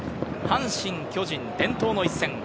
阪神・巨人伝統の一戦。